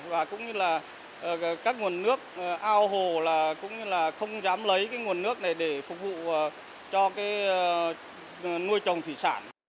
và cũng như là các nguồn nước ao hồ là cũng như là không dám lấy cái nguồn nước này để phục vụ cho cái nuôi trồng thủy sản